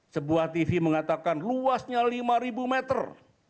sebuah tv mengatakan luasnya lima meter